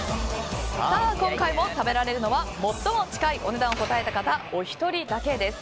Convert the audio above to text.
今回も食べられるのは最も近いお値段を答えた方お一人だけです。